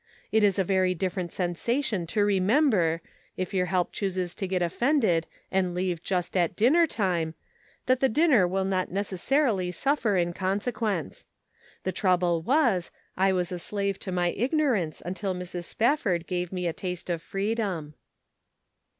It is a very different sensation to remember, if your help chooses to get offended and leave just at dinner time, that the dinner will not 392 The Pocket Measure. necessarily suffer in consequence. The trouble was, I was a slave to my ignorance until Mrs. Spafford gave me a taste of freedom."